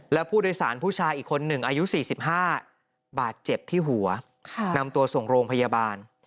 แล้วผู้โดยสารผู้ชายอีกคนหนึ่งอายุ๔๕บาดเจ็บที่หัวนำตัวส่งโรงพยาบาล